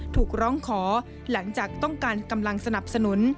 ถูกร้องขอหลังจากต้องการกำลังสนับสนุน